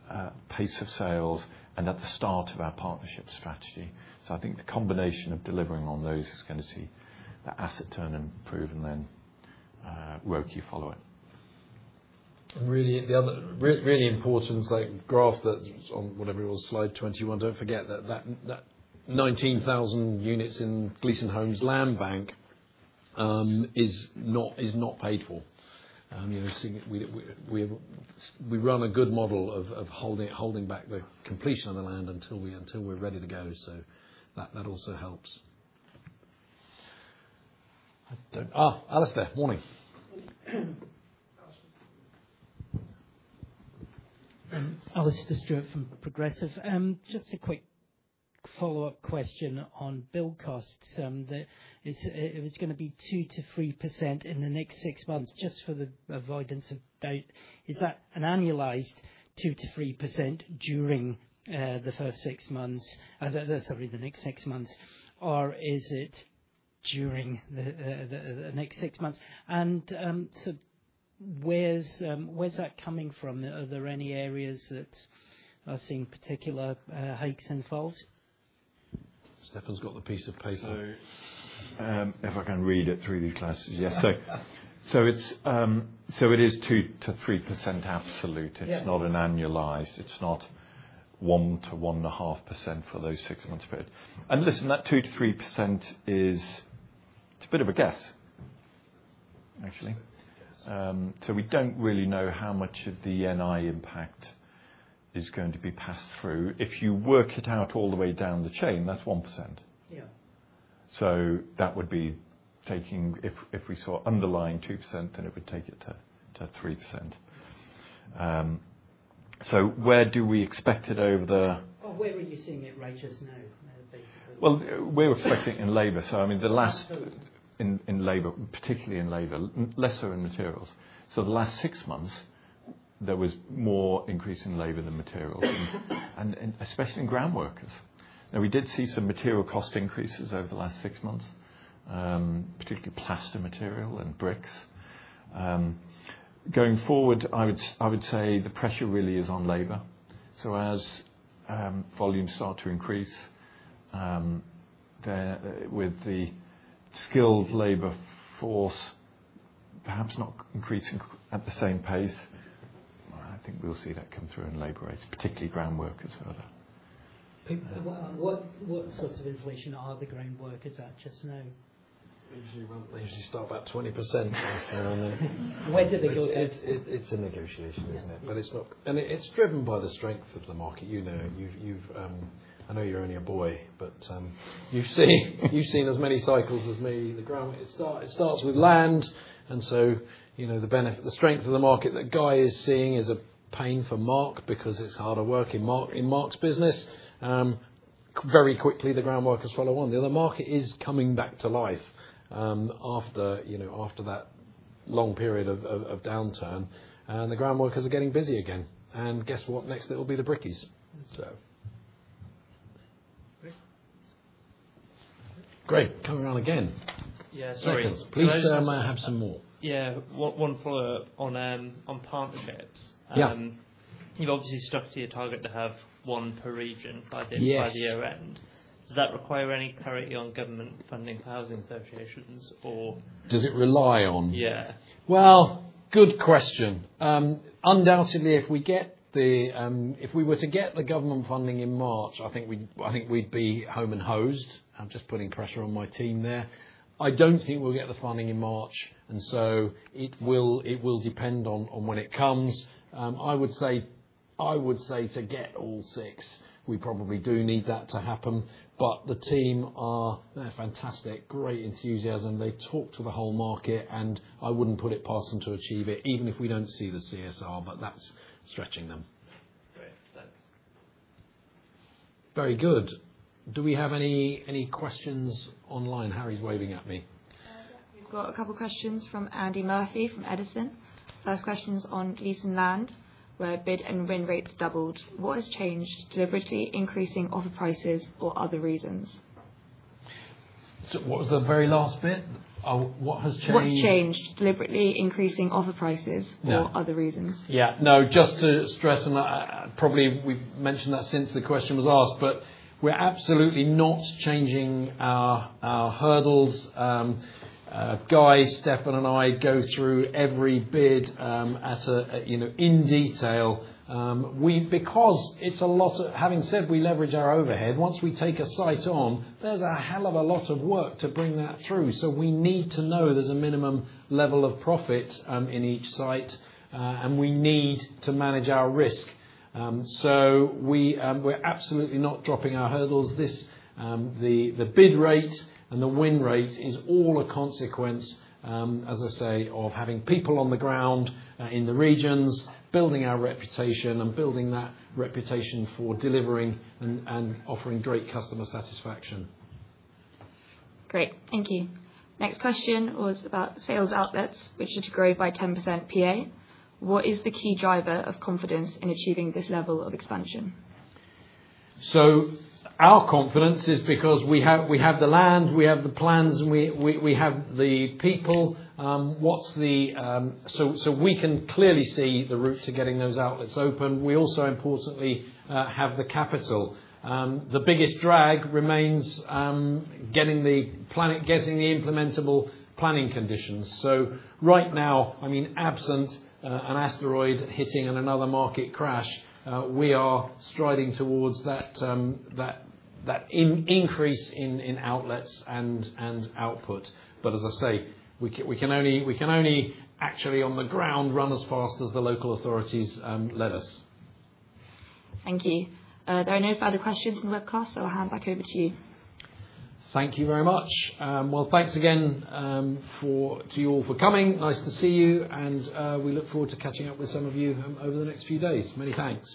pace of sales, and at the start of our partnership strategy. I think the combination of delivering on those is going to see the asset turn improve and then, ROCE, follow it. Really the other, really important like graph that's on whatever it was, slide 21, don't forget that that 19,000 units in Gleeson Homes land bank is not, is not paid for. You know, seeing that we have, we run a good model of holding back the completion of the land until we're ready to go. That also helps. I don't, Alastair, morning. Alastair Stewart from Progressive. Just a quick follow-up question on build costs. It's going to be 2-3% in the next six months just for the avoidance of doubt. Is that an annualized 2-3% during the first six months, sorry, the next six months, or is it during the next six months? Where is that coming from? Are there any areas that are seeing particular hikes and falls? Stefan's got the piece of paper. If I can read it through these glasses. Yeah. It is 2-3% absolute. It is not annualized. It is not 1-1.5% for those six months period. Listen, that 2-3% is a bit of a guess, actually. We do not really know how much of the NI impact is going to be passed through. If you work it out all the way down the chain, that is 1%. Yeah. That would be taking, if we saw underlying 2%, then it would take it to 3%. Where do we expect it over the—oh, where were you seeing it rate as now? We were expecting it in labor. I mean, the last—in labor, particularly in labor, lesser in materials. The last six months, there was more increase in labor than materials, and especially in groundworkers. We did see some material cost increases over the last six months, particularly plaster material and bricks. Going forward, I would say the pressure really is on labor. As volumes start to increase, with the skilled labor force perhaps not increasing at the same pace, I think we'll see that come through in labor rates, particularly groundworkers further. What sort of inflation are the groundworkers at just now? Usually, they usually start about 20%. Where do they go to? It's a negotiation, isn't it? It's driven by the strength of the market. You know, I know you're only a boy, but you've seen as many cycles as me. The groundwork, it starts with land. You know, the benefit, the strength of the market that Guy is seeing is a pain for Mark because it's harder work in Mark's business. Very quickly, the groundworkers follow on. The other market is coming back to life, after that long period of downturn. The groundworkers are getting busy again. And guess what? Next, it'll be the brickies. Great. Great. Come around again. Yeah. Sorry. Please, have some more. Yeah. One follow-up on partnerships. Yeah You've obviously stuck to your target to have one per region by the year end. Does that require any currently on Government funding for Housing Associations or does it rely on? yeah. Good question. Undoubtedly, if we get the, if we were to get the Government funding in March, I think we'd be home and hosed. I'm just putting pressure on my team there. I don't think we'll get the funding in March. It will depend on when it comes. I would say to get all six, we probably do need that to happen. The team are fantastic, great enthusiasm. They talk to the whole market, and I would not put it past them to achieve it, even if we do not see the CSR, but that is stretching them. Great. Thanks. Very good. Do we have any, any questions online? Harry is waving at me. We have got a couple of questions from Andy Murphy from Edison. First question is on Gleeson Land, where bid and win rates doubled. What has changed deliberately increasing offer prices or other reasons? What was the very last bit? What has changed? What has changed deliberately increasing offer prices or other reasons? Yeah. No, just to stress, and I probably we have mentioned that since the question was asked, but we are absolutely not changing our hurdles. Guy, Stefan, and I go through every bid, in detail. We, because it's a lot of, having said we leverage our overhead, once we take a site on, there's a hell of a lot of work to bring that through. We need to know there's a minimum level of profit in each site, and we need to manage our risk. We are absolutely not dropping our hurdles. The bid rate and the win rate is all a consequence, as I say, of having people on the ground in the regions, building our reputation, and building that reputation for delivering and offering great customer satisfaction. Great. Thank you. Next question was about sales outlets, which are to grow by 10% per annum. What is the key driver of confidence in achieving this level of expansion? Our confidence is because we have the land, we have the plans, and we have the people. What's the, so we can clearly see the route to getting those outlets open. We also, importantly, have the capital. The biggest drag remains getting the planning, getting the implementable planning conditions. Right now, I mean, absent an asteroid hitting and another market crash, we are striding towards that increase in outlets and output. As I say, we can only actually on the ground run as fast as the local authorities let us. Thank you. There are no further questions from the webcast, so I'll hand back over to you. Thank you very much. Thanks again to you all for coming. Nice to see you. We look forward to catching up with some of you over the next few days. Many thanks.